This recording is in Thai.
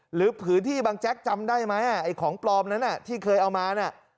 หรือผืนที่บางแจ๊กจำได้ไหมไอ้ของปลอมนั้นที่เคยเอามาน่ะ